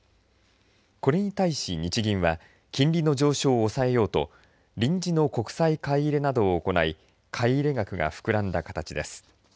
これに対し日銀は金利の上昇を抑えようと臨時の国債買い入れなどを行い買い入れ額が膨らんだ形です。